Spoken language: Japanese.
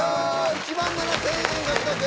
１万７，０００円獲得。